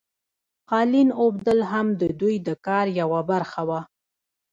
قالین اوبدل هم د دوی د کار یوه برخه وه.